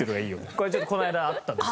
これちょっとこの間あったんです